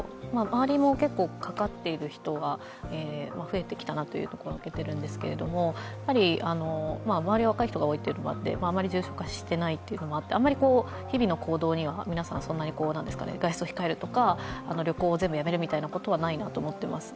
周りも結構かかっている人が増えてきたなと見ているんですけど周りは若い人が多いということもあってあまり重症化していないということもあってあまり日々の行動には皆さんそんなに外出を控えるとか旅行を全部やめるということはないなと思っています